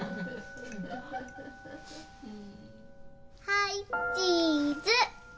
・はいチーズ。